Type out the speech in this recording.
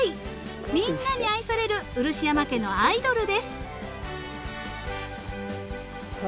［みんなに愛されるうるしやま家のアイドルです］